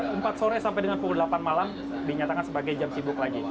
pukul empat sore sampai dengan pukul delapan malam dinyatakan sebagai jam sibuk lagi